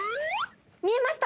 見えました？